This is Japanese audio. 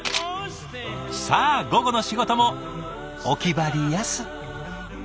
さあ午後の仕事もお気張りやす。